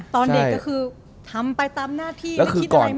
ตอนเด็กก็คือทำไปตามหน้าที่